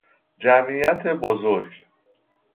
جمعیت بزرگ